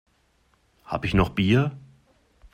Habe ich noch Bier?